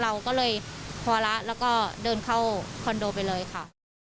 เราก็เลยพอแล้วแล้วก็เดินเข้าคอนโดไปเลยค่ะ